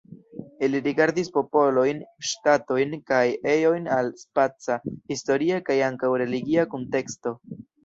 Ili rigardis popolojn, ŝtatojn kaj ejojn el spaca, historia kaj ankaŭ religia kunteksto.